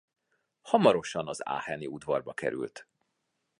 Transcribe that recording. Hamarosan az aacheni udvarba került.